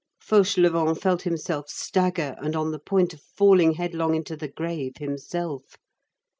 Fauchelevent felt himself stagger and on the point of falling headlong into the grave himself.